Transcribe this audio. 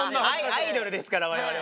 アイドルですから我々は。